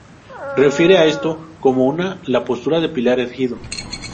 Refieren a esto como una la postura de pilar erguido.